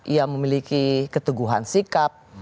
ia memiliki keteguhan sikap